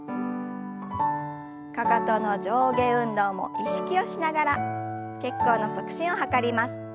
かかとの上下運動も意識をしながら血行の促進を図ります。